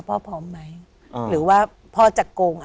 พี่น้องรู้ไหมว่าพ่อจะตายแล้วนะ